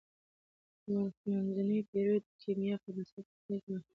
د منځنیو پیړیو د کیمیا فلسفه په کتاب کې مهمه ده.